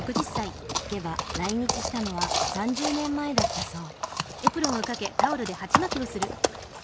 聞けば来日したのは３０年前だったそう。